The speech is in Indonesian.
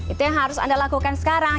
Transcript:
itu yang harus anda lakukan sekarang